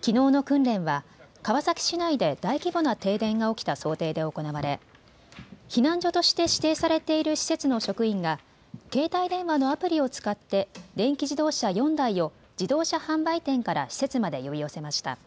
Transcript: きのうの訓練は川崎市内で大規模な停電が起きた想定で行われ避難所として指定されている施設の職員が携帯電話のアプリを使って電気自動車４台を自動車販売店から施設まで呼び寄せました。